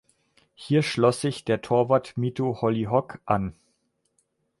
Hier schloss sich der Torwart Mito Hollyhock an.